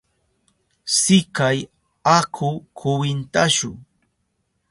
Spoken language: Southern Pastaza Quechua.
Sikay, aku kwintashu.